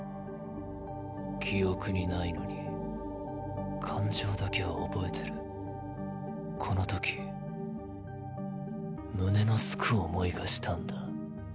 記憶に無いのに感情だけは憶えてるこの時胸のすく思いがしたんだ。